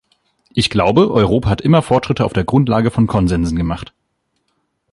Ich glaube, Europa hat immer Fortschritte auf der Grundlage von Konsensen gemacht.